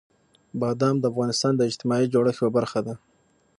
بادام د افغانستان د اجتماعي جوړښت یوه برخه ده.